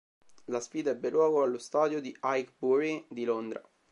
La sfida ebbe luogo allo stadio Highbury di Londra.